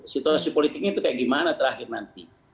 situasi politiknya itu kayak gimana terakhir nanti